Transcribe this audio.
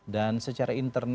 dan secara internet